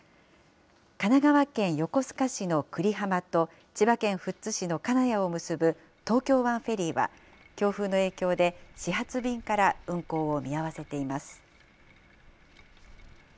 神奈川県横須賀市の久里浜と、千葉県富津市の金谷を結ぶ東京湾フェリーは、強風の影響で、始発便から運航を見合わせています。